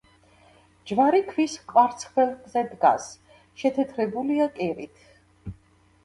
ჯვარი ქვის კვარცხლბეკზე დგას, შეთეთრებულია კირით.